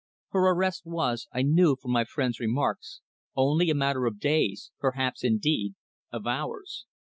Her arrest was, I knew from my friend's remarks, only a matter of days, perhaps, indeed, of hours.